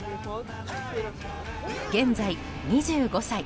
現在、２５歳。